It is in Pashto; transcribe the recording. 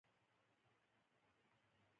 دوی ویل د مجاهدینو بندیان دې له جېلونو خلاص کړي.